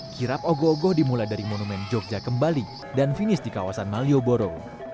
kirap ogo ogoh dimulai dari monumen jogja kembali dan finish di kawasan malioboro